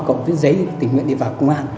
cậu viết giấy tình nguyện đi vào công an